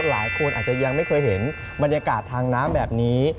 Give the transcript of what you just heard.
หลายคนอาจจะยังไม่เคยเห็นบรรยากาศทางน้ำแบบนี้